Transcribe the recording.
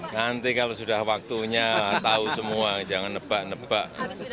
nanti kalau sudah waktunya tahu semua jangan nebak nebak